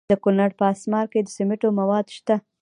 د کونړ په اسمار کې د سمنټو مواد شته.